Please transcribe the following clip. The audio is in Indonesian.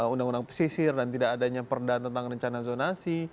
undang undang pesisir dan tidak adanya perda tentang rencana zonasi